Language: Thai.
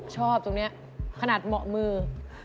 ชอบตรงนี้ขนาดเหมาะมือ